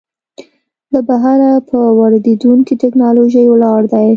له بهره پر واردېدونکې ټکنالوژۍ ولاړ دی.